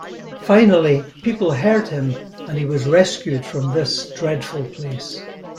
Finally people heard him and he was rescued from this dreadful place.